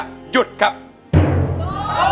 เป็นอินโทรเพลงที่๔มูลค่า๖๐๐๐๐บาท